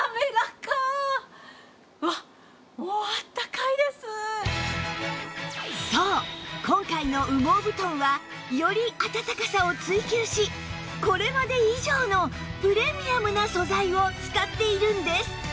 うわっもうそう今回の羽毛布団はよりあたたかさを追求しこれまで以上のプレミアムな素材を使っているんです